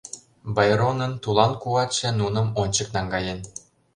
Байронын тулан куатше нуным ончык наҥгаен.